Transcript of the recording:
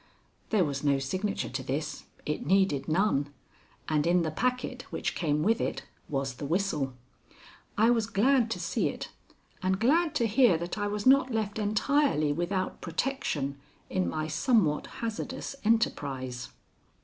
There was no signature to this it needed none and in the packet which came with it was the whistle. I was glad to see it, and glad to hear that I was not left entirely without protection in my somewhat hazardous enterprise.